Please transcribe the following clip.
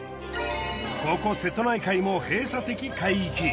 ここ瀬戸内海も閉鎖的海域。